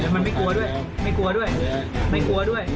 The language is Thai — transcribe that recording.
มันไม่กลัวด้วยไม่กลัวด้วยไม่กลัวด้วย